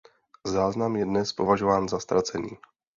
Záznam je dnes považován za ztracený.